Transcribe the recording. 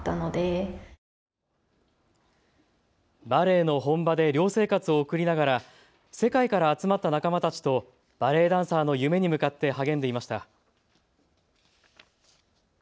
バレエの本場で寮生活を送りながら世界から集まった仲間たちとバレエダンサーの夢に向かって励んでいました。